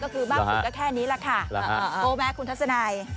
ก็คือมากสุดก็แค่นี้แหละค่ะโทรไหมคุณทัศนัย